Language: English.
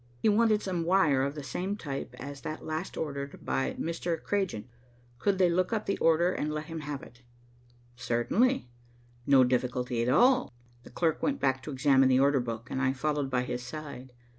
He wanted some wire of the same type as that last ordered by Mr. Cragent. Could they look up the order and let him have it. Certainly. No difficulty at all. The clerk went back to examine the order book, and I followed by his side.